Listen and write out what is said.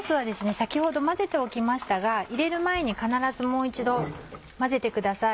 先ほど混ぜておきましたが入れる前に必ずもう一度混ぜてください。